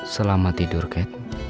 selamat tidur kat